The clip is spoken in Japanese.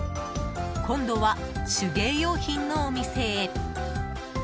今度は手芸用品のお店へ。